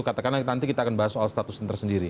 katakan nanti kita akan bahas soal statusnya